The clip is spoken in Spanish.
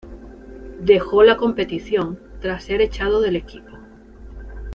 Dejó la competición tras ser echado del equipo.